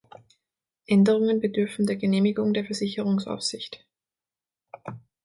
Änderungen bedürfen der Genehmigung der Versicherungsaufsicht.